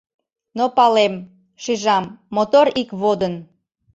Но палем; шижам: мотор ик водын